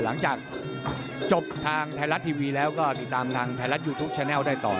หลังจากจบทางไทยรัฐทีวีแล้วก็ติดตามทางไทยรัฐยูทูปแชนัลได้ต่อ